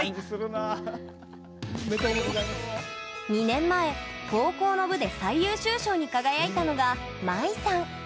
２年前、高校の部で最優秀賞に輝いたのが、まいさん。